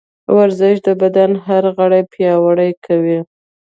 ورزش د بدن هر غړی پیاوړی کوي.